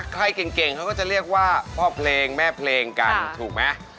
เขาจะเรียกว่าพ่อเพลงแม่เพลงกันถูกไหม